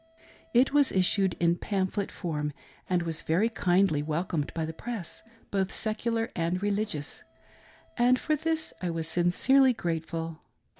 It was issued in pamphlet form, and . was very kindly welcomed by the press — both secular and religious — and, for this I was sincerely grateful.